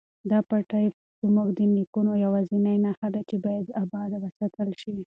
دا پټی زموږ د نیکونو یوازینۍ نښه ده چې باید اباد وساتل شي.